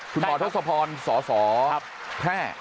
คุณหมอทศพรสศแพร่